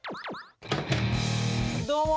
どうも！